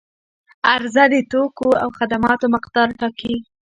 عرضه د توکو او خدماتو مقدار ټاکي.